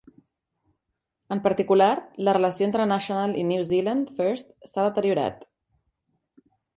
En particular, la relació entre National i New Zealand First s"ha deteriorat.